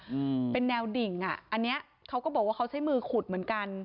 อืมเป็นแนวดิ่งอ่ะอันเนี้ยเขาก็บอกว่าเขาใช้มือขุดเหมือนกัน